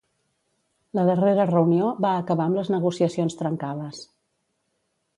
La darrera reunió va acabar amb les negociacions trencades.